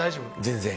全然。